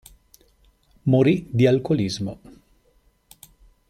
Morì di alcolismo.